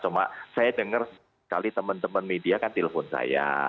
cuma saya dengar sekali teman teman media kan telepon saya